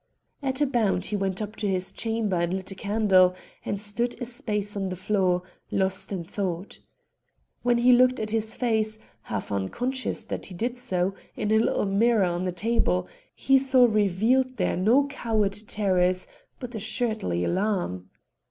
At a bound he went up to his chamber and lit a candle, and stood a space on the floor, lost in thought. When he looked at his face, half unconscious that he did so, in a little mirror on a table, he saw revealed there no coward terrors, but assuredly alarm.